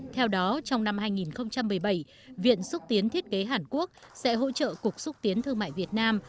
theo đó trong năm hai nghìn một mươi bảy viện xúc tiến thiết kế hàn quốc sẽ hỗ trợ cục xúc tiến thương mại việt nam